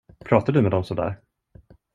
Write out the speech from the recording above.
Pratar du med dem sådär?